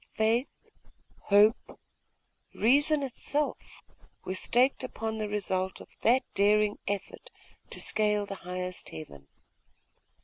Faith, hope, reason itself, were staked upon the result of that daring effort to scale the highest heaven.